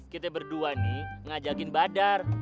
kita berdua nih ngajakin badar